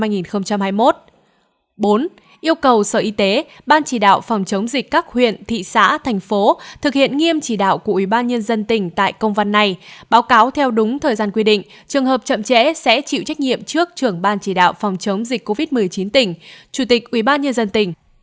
bốn đề nghị ủy ban nhân dân ban chỉ đạo phòng chống dịch covid một mươi chín các huyện thị xã thành phố thực hiện nghiêm chỉ đạo của ủy ban nhân dân tỉnh tại công văn này báo cáo theo đúng thời gian quy định trường hợp chậm trễ sẽ chịu trách nhiệm trước trưởng ban chỉ đạo phòng chống dịch covid một mươi chín tỉnh chủ tịch ủy ban nhân dân tỉnh